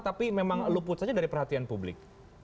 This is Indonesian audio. tapi memang luput saja dari perhatian publik